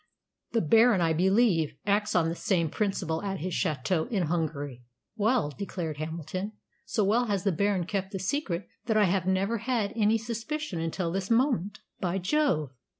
"The Baron, I believe, acts on the same principle at his château in Hungary." "Well," declared Hamilton, "so well has the Baron kept the secret that I have never had any suspicion until this moment. By Jove!